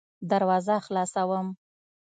دروازه خلاصوم .